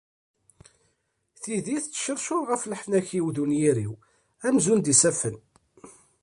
Tidi tettcercur ɣef leḥnak-iw d unnyir-iw amzun d isaffen.